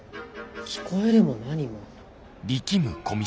聞こえるも何も。